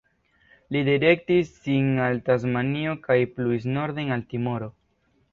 Li direktis sin al Tasmanio kaj pluis norden al Timoro.